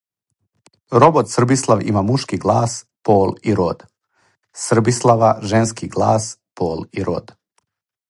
Робот Србислав има мушки глас, пол и род. Србислава женски глас, пол и род